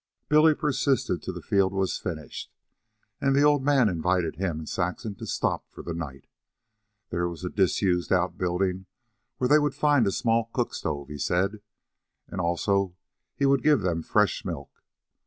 Billy persisted till the field was finished, and the old man invited him and Saxon to stop for the night. There was a disused outbuilding where they would find a small cook stove, he said, and also he would give them fresh milk.